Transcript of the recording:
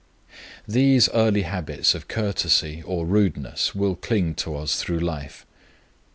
These early habits of courtesy or rudeness will cling to us through life.